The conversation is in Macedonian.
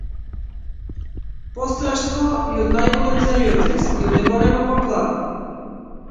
Пострашно и од најголем земјотрес и од најголема поплава!